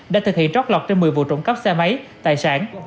đã thực hiện trót lọt trên một mươi vụ trộm cắp xe máy tài sản